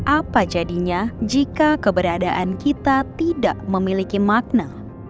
apa jadinya jika keberadaan kita tidak memiliki makna